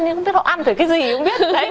không biết họ ăn được cái gì không biết